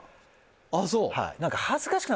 ああそう？